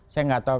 saya nggak tahu